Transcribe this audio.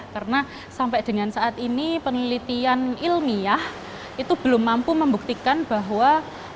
karena sampai dengan saat ini penelitian ilmiah itu belum mampu membuktikan bahwa